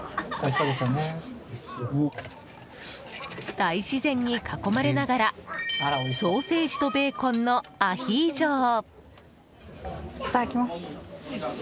大自然に囲まれながらソーセージとベーコンのアヒージョを。